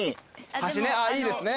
橋ねいいですね。